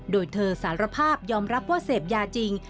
โดยเธอสารภาพยอมรับว่าเสพยาจริง